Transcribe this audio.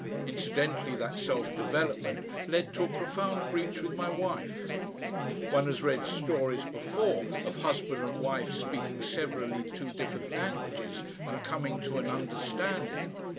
Incidentally that self development led to a profound breach with my wife. One has read stories before of husband and wife speaking severally two different languages and coming to an understanding.